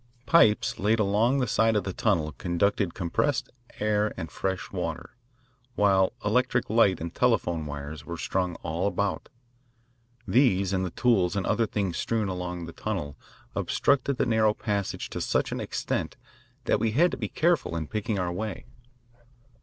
Pipes laid along the side of the tunnel conducted compressed air and fresh water, while electric light and telephone wires were strung all about. These and the tools and other things strewn along the tunnel obstructed the narrow passage to such an extent that we had to be careful in picking our way.